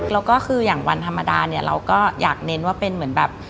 แล้วก็คืออย่างวันธรรมดาเนี่ยเราก็อยากเน้นว่าเป็นเหมือนแบบ